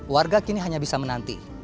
warga kini hanya bisa menanti